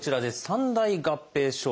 三大合併症。